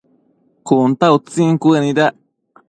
Cun ta utsin cuënuidac